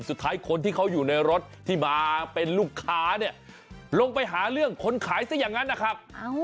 สุดท้ายคนที่เขาอยู่ในรถที่มาเป็นลูกค้าเนี่ยลงไปหาเรื่องคนขายซะอย่างนั้นนะครับ